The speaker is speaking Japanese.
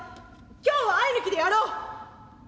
今日は愛衣抜きでやろう！